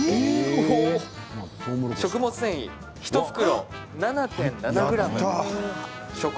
食物繊維、１袋７．７ｇ。